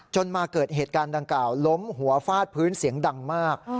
มาเกิดเหตุการณ์ดังกล่าวล้มหัวฟาดพื้นเสียงดังมาก